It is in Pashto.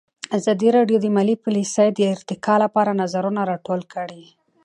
ازادي راډیو د مالي پالیسي د ارتقا لپاره نظرونه راټول کړي.